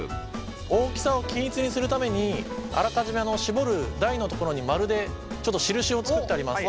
大きさを均一にするためにあらかじめ絞る台のところに丸でちょっと印を作ってあります。